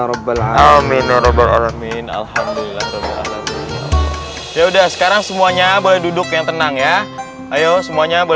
rabbul a'lamin rabbul a'lamin alhamdulillah ya udah sekarang semuanya boleh duduk yang tenang ya ayo